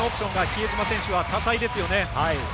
比江島選手、多彩ですよね。